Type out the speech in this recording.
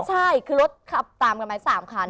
ใช่คือรถขับตามกันมา๓คัน